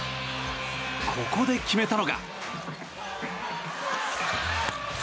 ここで決めたのが。